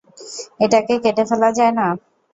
এটাকে কেটে ফেলা যায় না?